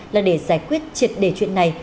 là để giải quyết triệt đề chuyện này